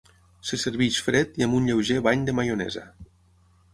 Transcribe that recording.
Se serveix fred i amb un lleuger bany de maionesa.